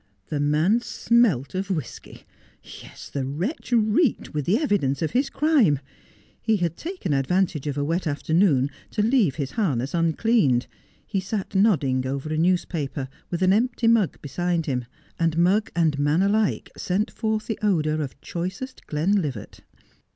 The man smelt of whisky. Yes, the wretch reeked with the evidence of his crime. He had taken advantage of a wet after noon to leave his harness uncleaned. He sat nodding over a newspaper, with an empty mug beside him ; and mug and man alike sent forth the odour of choicest Glenlivat.